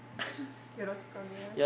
よろしくお願いします。